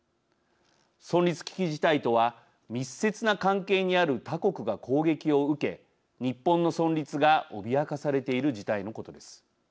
存立危機事態とは密接な関係にある他国が攻撃を受け日本の存立が脅かされている事態のことです。